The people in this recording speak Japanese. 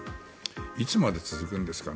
いつまで続くんですかね。